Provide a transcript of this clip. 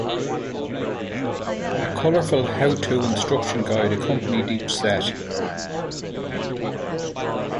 A colorful "how-to" instruction guide accompanied each set.